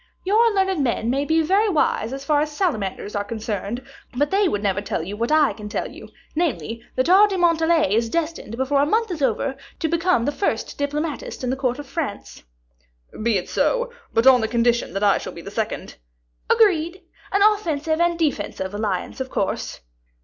"Your learned men may be very wise as far as salamanders are concerned, but they would never tell you what I can tell you; namely, that Aure de Montalais is destined, before a month is over, to become the first diplomatist in the court of France." "Be it so, but on condition that I shall be the second." "Agreed; an offensive and defensive alliance, of course."